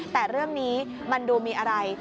แต่เรื่องนี้มันดูมีอะไร